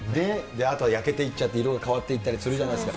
あとは焼けていっちゃって、色が変わっていったりするじゃないですか。